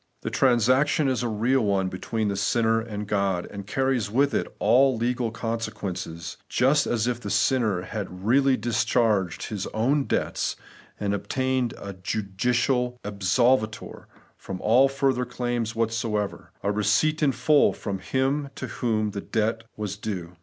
The transaction is a real one between the sinner and God, and carries with it all legal consequences, just as if the sinner had reaUy discharged his own debts and obtained a judicial absolvitor from all further claims whatever ; a receipt in full from Him to whom the great debt was due.